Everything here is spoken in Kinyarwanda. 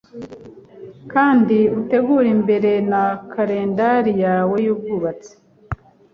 kandi utegure mbere na kalendari yawe yubwanditsi